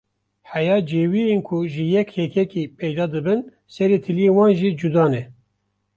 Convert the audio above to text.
Heya cêwiyên ku ji yek hêkekî peyda dibin, serê tiliyên wan jî cuda ne!